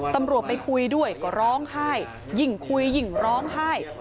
ตำรวจไปคุยด้วยก็ร้องไห้ยิ่งคุยยิ่งร้องไห้